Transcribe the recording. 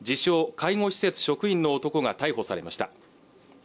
介護施設職員の男が逮捕されました